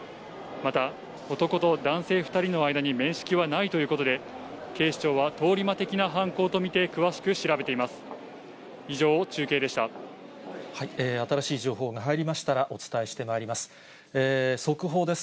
また男と男性２人の間に面識はないということで、警視庁は通り魔的な犯行と見て、詳しく調べています。